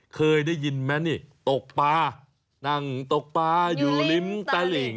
เคยได้ยินไหมนี่ตกปลานั่งตกปลาอยู่ริมตะหลิ่ง